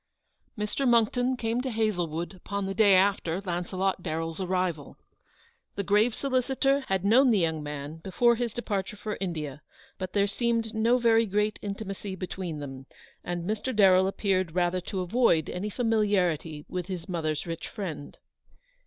Mr. Moxcktox came to Hazlewood upon the day after Launcelot Darren's arrival. The grave solicitor had known the young man before his departure for India, but there seemed no very great intimacy between them, and Mr. Darrell appeared rather to avoid any familiarity with his mother's rich friend.